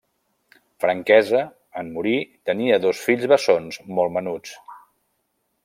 Franquesa, en morir, tenia dos fills bessons molt menuts.